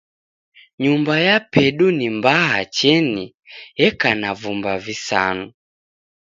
Nyumba yapedu ni mbaa cheni, eka na vumba visanu.